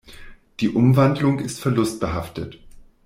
Die Umwandlung ist verlustbehaftet.